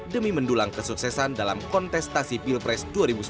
demi mendulang kesuksesan dalam kontestasi pilpres dua ribu sembilan belas